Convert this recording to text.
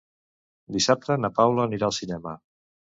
Dissabte na Paula anirà al cinema.